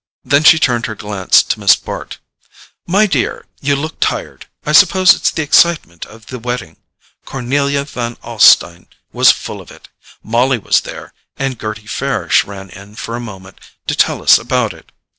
Then she turned her glance to Miss Bart. "My dear, you look tired; I suppose it's the excitement of the wedding. Cornelia Van Alstyne was full of it: Molly was there, and Gerty Farish ran in for a minute to tell us about it.